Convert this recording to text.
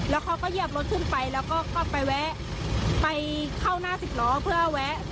แล้วเขาก็เหยียบรถขึ้นไปแล้วก็ไปแวะไปเข้าหน้าสิบล้อเพื่อแวะ